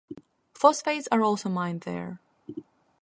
Phosphates are also mined there.